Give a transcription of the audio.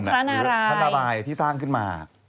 หรือพระนารายที่สร้างขึ้นมา